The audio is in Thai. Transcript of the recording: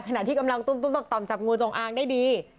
ขณะที่กำลังตุ้มต่อมจับงูจงอางได้ดี